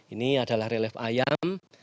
ini adalah relief ayam